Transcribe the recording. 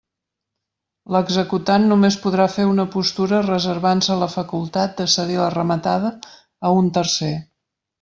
L'executant només podrà fer una postura reservant-se la facultat de cedir la rematada a un tercer.